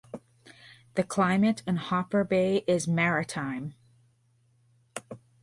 The climate in Hooper Bay is maritime.